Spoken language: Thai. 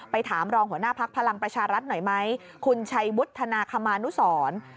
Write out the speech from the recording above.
ถามรองหัวหน้าพักพลังประชารัฐหน่อยไหมคุณชัยวุฒนาคมานุสร